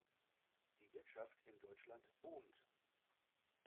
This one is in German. Die Wirtschaft in Deutschland boomt.